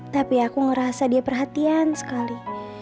tapi aku ngerasa dia perhatian sekali